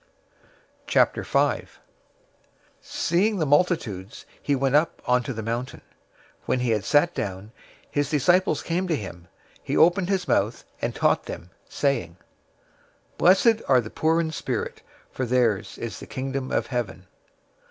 005:001 Seeing the multitudes, he went up onto the mountain. When he had sat down, his disciples came to him. 005:002 He opened his mouth and taught them, saying, 005:003 "Blessed are the poor in spirit, for theirs is the Kingdom of Heaven.